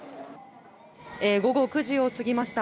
午後９時を過ぎました。